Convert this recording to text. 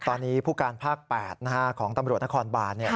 ตอนนี้ผู้การภาค๘ของตำรวจนครบาน